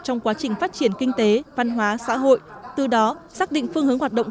trong quá trình phát triển kinh tế văn hóa xã hội từ đó xác định phương hướng hoạt động